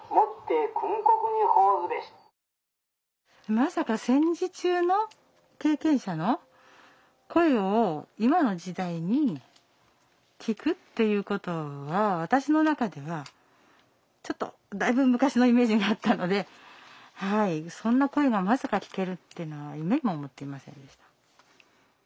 まさか戦時中の経験者の声を今の時代に聞くっていうことは私の中ではちょっとだいぶ昔のイメージがあったのではいそんな声がまさか聞けるっていうのは夢にも思っていませんでした。